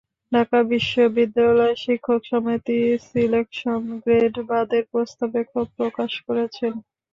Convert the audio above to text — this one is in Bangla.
ঢাকা বিশ্ববিদ্যালয় শিক্ষক সমিতিও সিলেকশন গ্রেড বাদের প্রস্তাবে ক্ষোভ প্রকাশ করেছে।